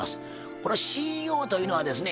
このＣＥＯというのはですね